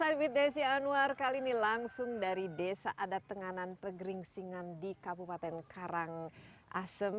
ya insight with desi anwar kali ini langsung dari desa adat tenganan pegeringsingan di kabupaten karang asem